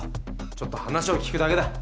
ちょっと話を聞くだけだ。